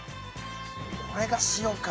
これが塩か。